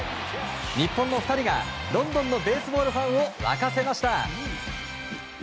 日本の２人がロンドンのベースボールファンを沸かせました。